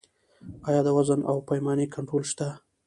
آیا د وزن او پیمانې کنټرول شته؟